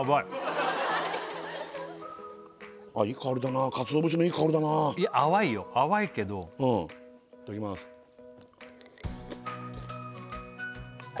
あいい香りだな鰹節のいい香りだな淡いよ淡いけどうんいただきますあ